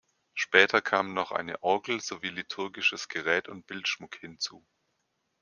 Später kamen noch eine Orgel sowie liturgisches Gerät und Bildschmuck hinzu.